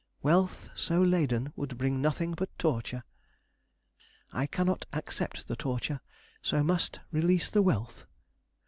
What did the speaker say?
Wealth so laden would bring nothing but torture. I cannot accept the torture, so must release the wealth.